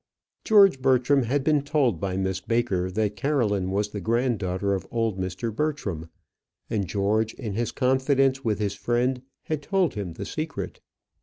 George Bertram had been told by Miss Baker that Caroline was the granddaughter of old Mr. Bertram, and George in his confidence with his friend had told him the secret.